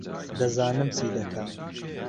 دەزانم چی دەکا